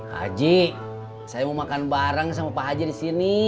haji saya mau makan bareng sama pak haji di sini